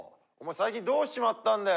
最近どうしちまったんだよ